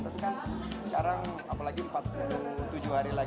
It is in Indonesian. tapi kan sekarang apalagi empat puluh tujuh hari lagi menuju tujuh belas april